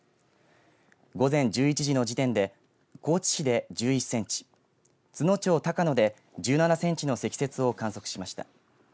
午前１１時の時点で高知市で１１センチ津野町高野で１７センチの積雪を観測しました。